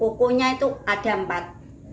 kukunya itu ada empat